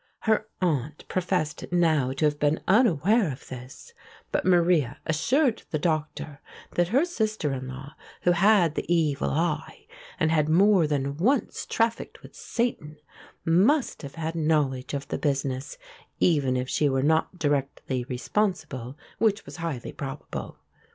Her aunt professed now to have been unaware of this; but Maria assured the Doctor that her sister in law, who had the evil eye and had more than once trafficked with Satan, must have had knowledge of the business, even if she were not directly responsible, which was highly probable.